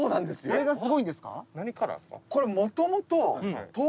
これがすごいんですか？